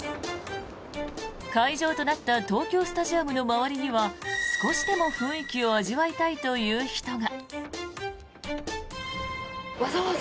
会場となった東京スタジアムの周りには少しでも雰囲気を味わいたいという人が。